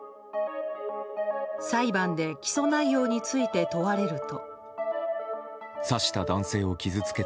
裁判で起訴内容について問われると。